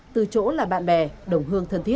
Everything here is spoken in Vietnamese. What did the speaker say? từ chỗ là bạn bè đồng hương thân thiết